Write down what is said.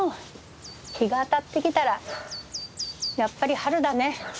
日が当たってきたらやっぱり春だね。